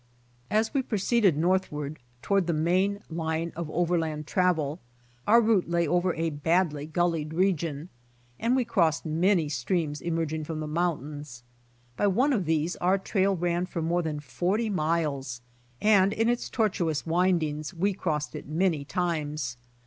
As we proceeded northward toward the main line of overland travel, our route lay over a^ badly gullied region, and we crossed many streams emerg ing from the mountains. By one of these our trail ran for more than forty miles, and in its tortuous windings we crossed it many times.